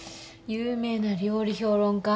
有名な料理評論家。